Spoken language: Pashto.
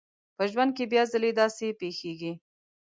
په ژوند کې بيا ځلې داسې پېښېږي.